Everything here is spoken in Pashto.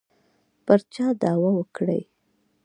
پر چا دعوه وکړي.